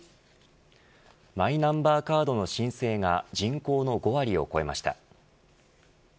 マイナンバーカードの申請が人口の５割を超えました。